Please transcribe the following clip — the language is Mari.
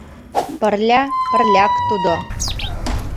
— Пырля — пырляк тудо.